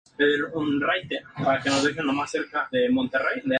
Votando por unanimidad todos los diputados locales del congreso estatal.